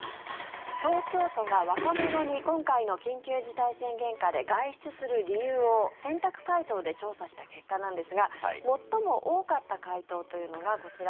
東京都が若者に今回の緊急事態宣言下で外出する理由を選択回答で調査した結果なんですが最も多かった回答というのがこちら。